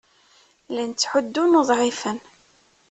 Llan ttḥuddun uḍɛifen.